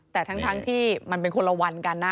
แต่ทั้งที่มันเป็นคนละวันกันนะ